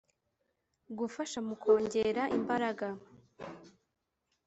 gufasha mu kongera imbaraga